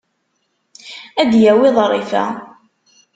Ad d-yawi ḍrifa.